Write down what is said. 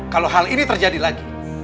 kalau hal ini terjadi lagi